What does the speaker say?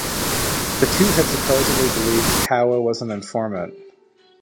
The two had supposedly believed Cowell was an informant.